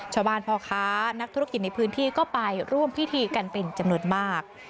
พ่อค้านักธุรกิจในพื้นที่ก็ไปร่วมพิธีกันเป็นจำนวนมาก